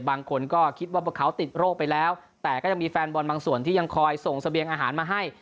บางคนก็คิดว่าพวกเขาติดโรคไปแล้วแต่ก็ยังมีแฟนบอลบางส่วนที่ยังคอยส่งเสบียงอาหารมาให้